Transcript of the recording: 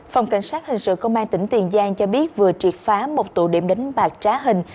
phòng cảnh sát hình sự công an tỉnh tiền giang cho biết vừa triệt phá một tụ điểm đánh bạc trá hình